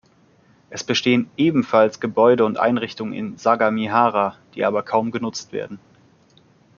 Es bestehen ebenfalls Gebäude und Einrichtungen in Sagamihara, die aber kaum genutzt werden.